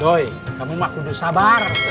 doi kamu mah duduk sabar